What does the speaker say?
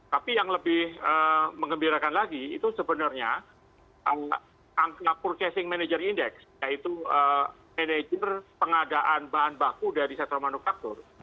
tapi yang lebih mengembirakan lagi itu sebenarnya angka purchasing manager index yaitu manajer pengadaan bahan baku dari sektor manufaktur